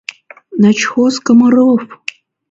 — Начхоз Комаров!